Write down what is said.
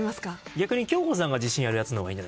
逆に京子さんが自信あるやつの方が。はい。